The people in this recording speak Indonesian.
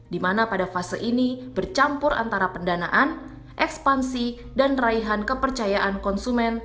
di mana pada fase ini bercampur antara pendanaan ekspansi dan raihan kepercayaan konsumen